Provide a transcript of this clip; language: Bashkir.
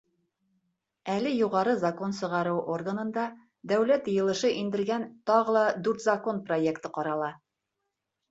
Әле юғары закон сығарыу органында Дәүләт Йыйылышы индергән тағы ла дүрт закон проекты ҡарала.